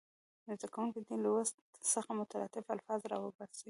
زده کوونکي دې له لوست څخه مترادف الفاظ راوباسي.